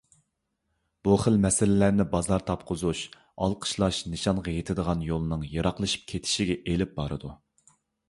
بۇخىل مەسىلىلەرنى بازار تاپقۇزۇش، ئالقىشلاش نىشانغا يېتىدىغان يولنىڭ يېراقلىشىپ كېتىشىگە ئېلىپ بارىدۇ.